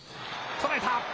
捉えた。